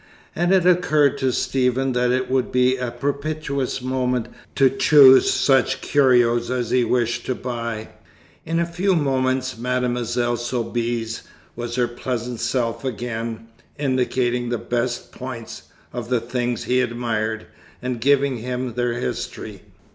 And it occurred to Stephen that it would be a propitious moment to choose such curios as he wished to buy. In a few moments Mademoiselle Soubise was her pleasant self again, indicating the best points of the things he admired, and giving him their history.